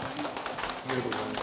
ありがとうございます。